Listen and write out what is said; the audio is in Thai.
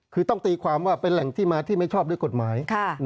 คือต้องตีความว่าเป็นแหล่งที่มาที่ไม่ชอบด้วยกฎหมาย